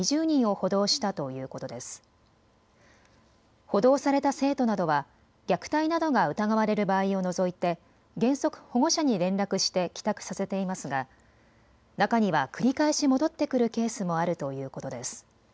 補導された生徒などは虐待などが疑われる場合を除いて原則、保護者に連絡して帰宅させていますが中には繰り返し戻ってくるケースもあるということです。